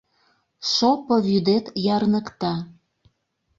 Шопо вӱдет ярныкта.